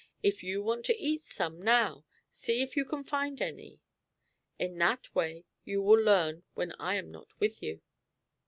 If you want to eat some now see if you can find any. In that way you will learn when I am not with you.